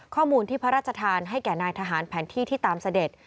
ข้อมูลที่พระราชทานให้แก่นายทหารแผนที่ที่ตามเสด็จ